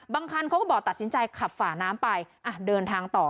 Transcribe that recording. คันเขาก็บอกตัดสินใจขับฝ่าน้ำไปเดินทางต่อ